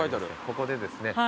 ここでですね